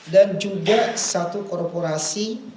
dan juga satu korporasi